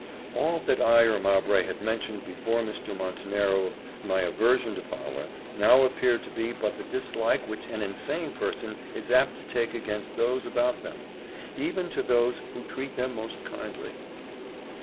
All that I or Mowbray had mentioned before Mr. Montenero of my aversion to Fowler, now appeared to be but the dislike which an insane person is apt to take against those about them, even to those who treat them most kindly.